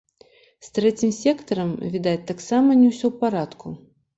З трэцім сектарам, відаць, таксама не ўсё ў парадку.